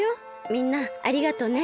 みんなありがとね。